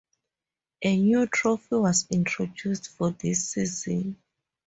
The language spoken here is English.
A new trophy was introduced for this season.